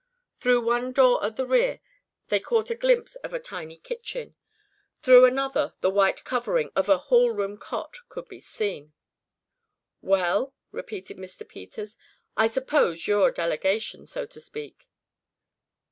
Through one door at the rear they caught a glimpse of a tiny kitchen; through another the white covering of a hall room cot could be seen. "Well?" repeated Mr. Peters. "I suppose you're a delegation, so to speak?"